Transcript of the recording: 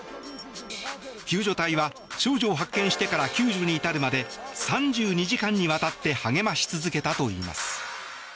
救助隊は少女を発見してから救助に至るまで３２時間にわたって励まし続けたといいます。